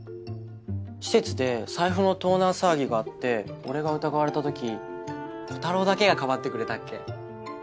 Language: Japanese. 施設で財布の盗難騒ぎがあって俺が疑われた時コタローだけがかばってくれたっけ。